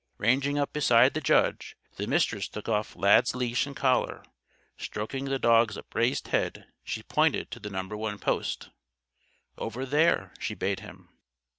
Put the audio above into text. Ranging up beside the judge, the Mistress took off Lad's leash and collar. Stroking the dog's upraised head, she pointed to the No. 1 Post. "Over there," she bade him.